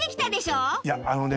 いやあのね